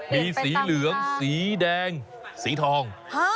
มีสีเหลืองสีแดงสีทอง